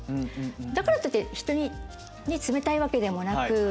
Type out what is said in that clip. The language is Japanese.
だからといってひとに冷たいわけでもなく。